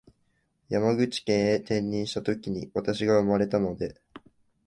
山口県へ転任したときに私が生まれたので